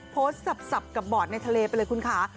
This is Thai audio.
โพสต์สับกับบอดในทะเลไปเลยคุณคะ